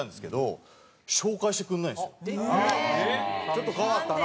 ちょっと変わったな。